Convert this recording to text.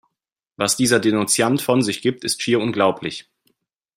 Was dieser Denunziant von sich gibt, ist schier unglaublich!